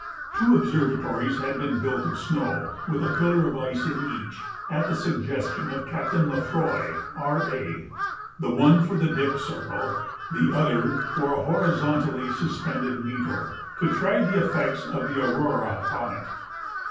Two observatories had been built of snow, with a pillar of ice in each (at the suggestion of Captain Lefroy, R.A.), the one for the dip circle, the other for an horizontally suspended needle to try the effects of the aurora upon it.